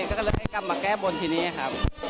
ก็เลยได้กลับมาแก้บนที่นี่ครับ